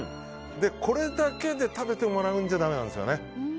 これだけで食べてもらうんじゃだめなんですよね。